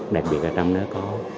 đặc biệt là trong nó có